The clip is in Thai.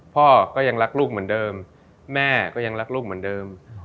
พ่อก็ยังรักลูกเหมือนเดิมแม่ก็ยังรักลูกเหมือนเดิม